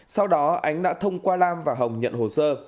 sau đó ánh đã thông qua lam và hồng nhận hồ sơ